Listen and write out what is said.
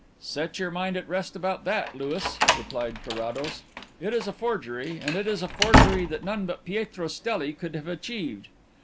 "Set your mind at rest about that, Louis," replied Carrados. "It is a forgery, and it is a forgery that none but Pietro Stelli could have achieved.